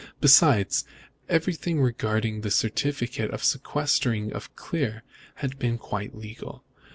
Besides, everything regarding the certificate and sequestrating of Clear had been quite legal.